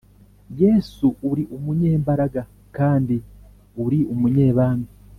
Yesu uri umunyembaraga kandi uri umunyebambe